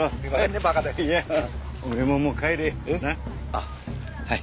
あっはい。